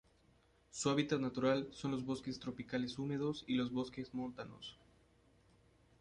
Su hábitat natural son los bosques tropicales húmedos y los bosques montanos.